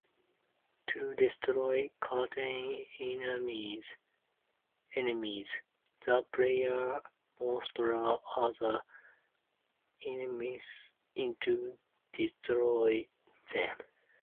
To destroy certain enemies, the player must lure other enemies into destroying them.